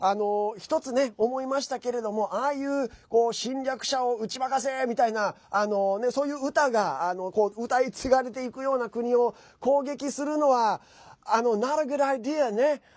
１つ、思いましたけれどもああいう侵略者を打ち負かせみたいなそういう歌が歌い継がれていくような国を攻撃するのはノットグッドアイデアね。